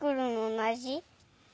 同じ。